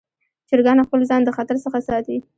چرګان خپل ځان د خطر څخه ساتي.